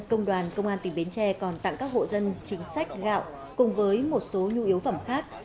công đoàn công an tỉnh bến tre còn tặng các hộ dân chính sách gạo cùng với một số nhu yếu phẩm khác